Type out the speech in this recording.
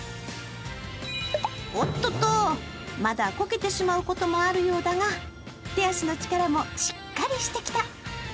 おっとっと、まだこけてしまうこともあるようだが手足の力もしっかりしてきた。